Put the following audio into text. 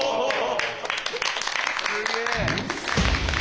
すげえ。